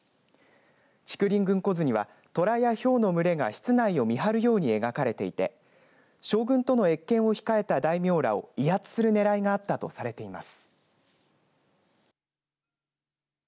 竹林群虎図には虎やひょうの群れが室内を見張るように描かれていて将軍との謁見を控えた大名らを威圧する狙いがあったとされています。